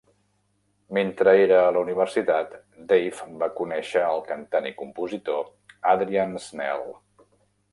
Mentre era a la universitat, Dave va conèixer el cantant i compositor Adrian Snell.